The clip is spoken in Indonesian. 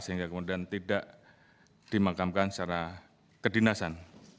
sehingga kemudian tidak dimakamkan secara kedinasan